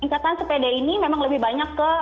ikatan sepeda ini memang lebih banyak ke